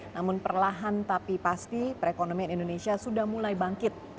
namun perlahan tapi pasti perekonomian indonesia sudah mulai bangkit